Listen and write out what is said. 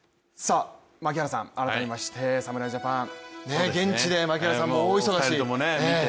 改めまして侍ジャパン現地で槙原さんも大忙し。